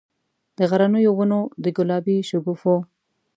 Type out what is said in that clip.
د غرنیو ونو، د ګلابي شګوفو،